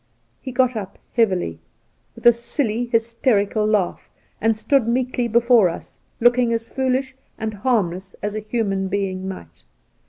He got up heavily, with a sUly, hysterical laugh, and stood meekly before us, looking as foolish and harmless as a human being might.